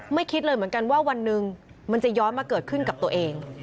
คิดเลยเหมือนกันว่าวันหนึ่งมันจะย้อนมาเกิดขึ้นกับตัวเอง